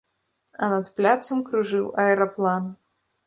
А над пляцам кружыў аэраплан.